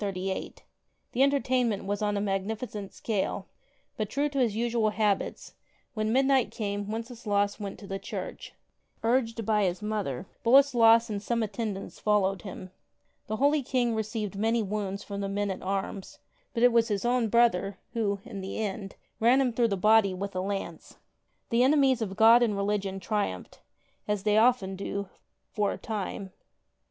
The entertainment was on a magnificent scale, but, true to his usual habits, when midnight came Wenceslaus went to the church. Urged by his mother, Boleslas and some at tendants followed him. The holy King received many wounds from the men at arms, but it was his own brother who, in the end, ran him through the body with a lance. The enemies of God and religion triumphed, as they often do' for a time.